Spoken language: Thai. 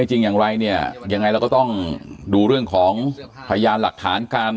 จริงอย่างไรเนี่ยยังไงเราก็ต้องดูเรื่องของพยานหลักฐานการ